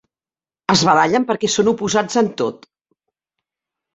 Es barallen perquè són oposats en tot.